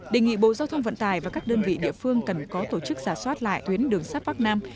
đề nghị bộ giao thông vận tài và các đơn vị địa phương cần có tổ chức giả soát lại tuyến đường sắt bắc nam